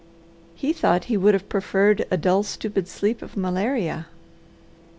He thought he would have preferred a dull, stupid sleep of malaria.